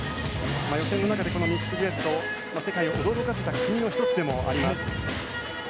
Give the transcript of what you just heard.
予選の中でミックスデュエット世界を驚かせた国の１つでもあります。